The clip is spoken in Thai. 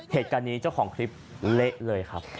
เหตุการณ์นี้เจ้าของคลิปเละเลยครับ